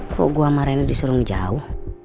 kok gue sama rena disuruh ngejauh